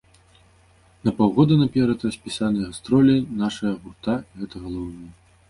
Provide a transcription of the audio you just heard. На паўгода наперад распісаныя гастролі нашага гурта і гэта галоўнае.